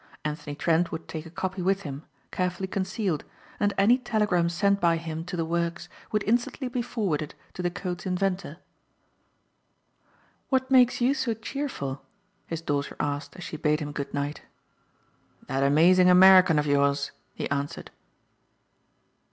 Anthony Trent would take a copy with him, carefully concealed, and any telegram sent by him to the works would instantly be forwarded to the code's inventor. "What makes you so cheerful?" his daughter asked as she bade him goodnight. "That amazing American of yours," he answered.